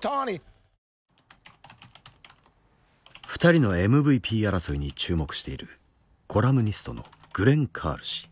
２人のＭＶＰ争いに注目しているコラムニストのグレン・カール氏。